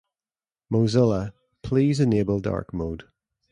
Mozilla, please enable dark mode.